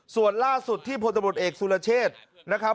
ส่วนล่าสุดที่พลตำรวจเอกสุรเชษนะครับ